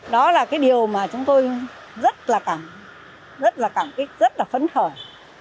đó là cái điều mà chúng tôi rất là cảm giác rất là cảm kích rất là phấn khởi